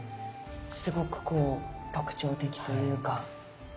すごくこう特徴的というか。